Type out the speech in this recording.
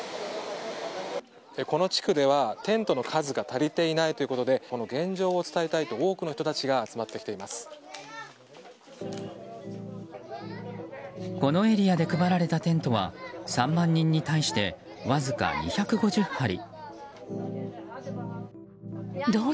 この地区では、テントの数が足りていないということでこの現状を伝えたいと多くの人たちがこのエリアで配られたテントは３万人に対してわずか２５０張り。